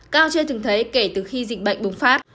cao trên từng thấy kể từ khi dịch bệnh bùng phát